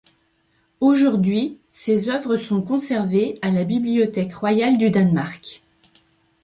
Aujourd'hui, ses œuvres sont conservées à la Bibliothèque royale du Danemark.